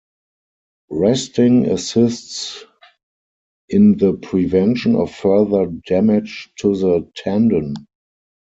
Resting assists in the prevention of further damage to the tendon.